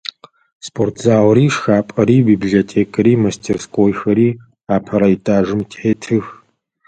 Спортзалри, шхапӏэри, библиотекэри, мастерскойхэри апэрэ этажым тетых.